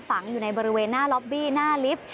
ฝังอยู่ในบริเวณหน้าล็อบบี้หน้าลิฟต์